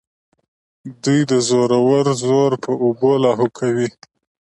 دوی د زورورو زور په اوبو کې لاهو کوي.